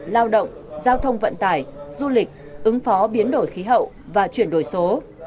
lao động giao thông vận tải du lịch ứng phó biến đổi khí hậu và chuyển đổi số